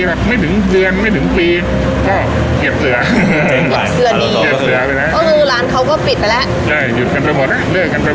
แหละไม่ถึงเยือนไม่ถึงตีก็เกียรติศึกษะสีสลิง